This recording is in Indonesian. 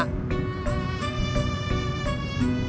udah beli lagi